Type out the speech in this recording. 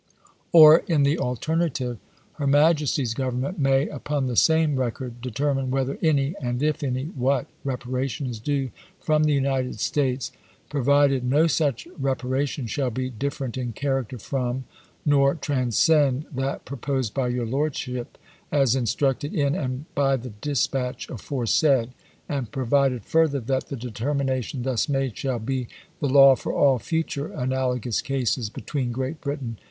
Or, in the alternative, her Majesty's Government may, upon the same record, determine whether any, and if any, what, reparation is due from the United States ; provided no such reparation shall be different in character from, nor transcend, that proposed by your Lordship, as in structed in and by the dispatch aforesaid ; and provided further, that the determination thus made shall be the Lincoiu ^'^^^^^'^^ future analogous cases between Great Britain MS.